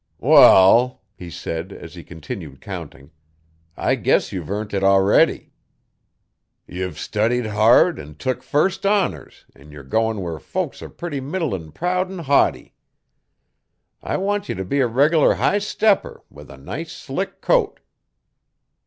'Wall,' he said, as he continued counting, 'I guess you've earnt it already. Ye've studied hard an' tuk first honours an' yer goin' where folks are purty middlin' proud'n haughty. I want ye t' be a reg'lar high stepper, with a nice, slick coat.